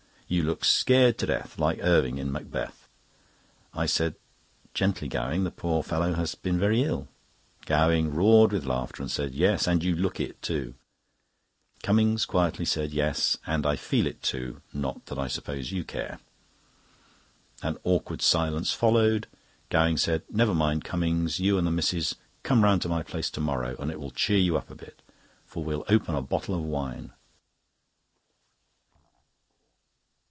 You look scared to death, like Irving in Macbeth." I said: "Gently, Gowing, the poor fellow has been very ill." Gowing roared with laughter and said: "Yes, and you look it, too." Cummings quietly said: "Yes, and I feel it too—not that I suppose you care." An awkward silence followed. Gowing said: "Never mind, Cummings, you and the missis come round to my place to morrow, and it will cheer you up a bit; for we'll open a bottle of wine."